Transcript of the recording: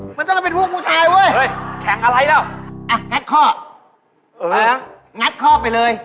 เออมันต้องเป็นพวกผู้ชายเว้ย